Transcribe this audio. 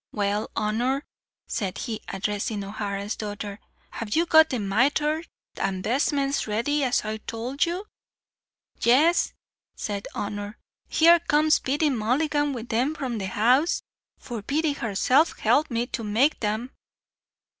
Well, Honor," said he, addressing O'Hara's daughter, "have you got the mithres and vestments ready, as I towld you?" "Yes," said Honor; "here comes Biddy Mulligan with them from the house, for Biddy herself helped me to make them."